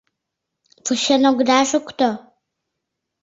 Вучен огыда шукто!!!